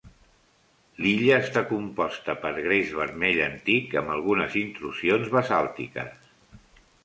L'illa està composta per gres vermell antic amb algunes intrusions basàltiques.